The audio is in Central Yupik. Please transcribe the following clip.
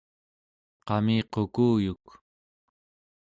qamiqukuyuk